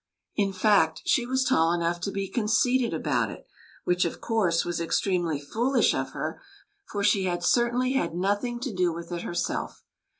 In fact, she was tall enough to be conceited about it, which, of course, was extremely foolish of her, for she had certainly had nothing to do with it herself.